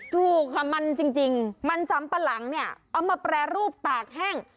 ถูกค่ะมันจริงมันสำปะหลังเนี่ยเอามาแปรรูปตากแห้ง